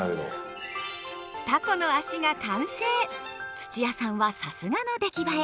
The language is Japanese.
土屋さんはさすがの出来栄え。